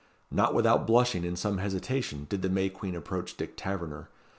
Not without blushing and some hesitation did the May Queen approach Dick Taverner.